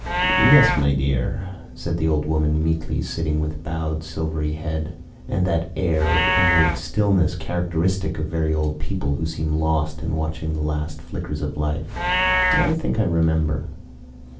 "Yes, my dear," said the old woman meekly, sitting with bowed silvery head, and that air of inward stillness characteristic of very old people who seem lost in watching the last flickers of life. "I think I remember."